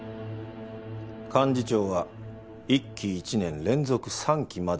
幹事長は１期１年連続３期まで。